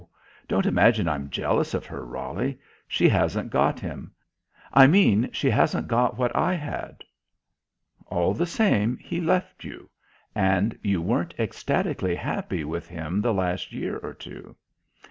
Don't imagine I'm jealous of her, Roly. She hasn't got him. I mean she hasn't got what I had." "All the same he left you. And you weren't ecstatically happy with him the last year or two."